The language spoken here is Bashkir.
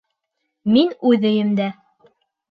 Мин үҙ өйөмдә.